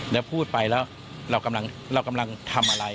แล้วพูดไปแล้วเรากำลังทำอะไร